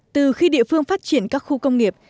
từ khi địa phương phát triển các khu công nghiệp